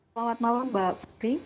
selamat malam mbak fikri